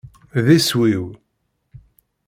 D iswi-w.